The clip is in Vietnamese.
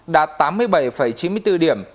đạt tám mươi bảy chín mươi bốn điểm